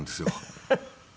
フフフフ。